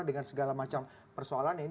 dengan segala macam persoalan yang terjadi